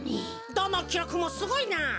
どのきろくもすごいな！